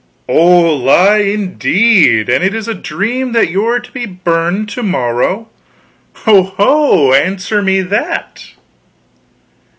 "Oh, la, indeed! and is it a dream that you're to be burned to morrow? Ho ho answer me that!"